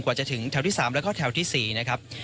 กว่าจะถึงแถวที่๓แล้วก็แถวที่๔นะครับ